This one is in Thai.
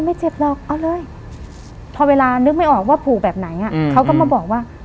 ไม่เจ็บหรอกเอาเลยพอเวลานึกไม่ออกว่าผูกแบบไหนอ่ะเขาก็มาบอกว่า